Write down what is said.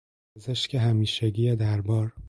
پزشک همیشگی دربار